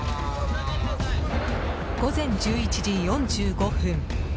午前１１時４５分